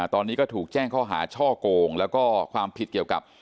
ตอนนี้ก็ถูกแจ้งข้อหาช่อโกงแล้วก็ความผิดเกี่ยวกับ